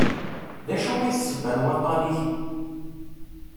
D acu i d ssebba n waṭṭan-ik?